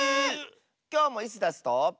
きょうもイスダスと。